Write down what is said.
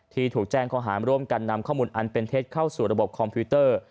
ถูกแจ้งข้อหารร่วมกันนำข้อมูลอันเป็นเท็จเข้าสู่ระบบคอมพิวเตอร์